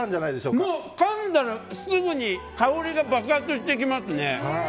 もう、かんだらすぐに香りが爆発してきますね。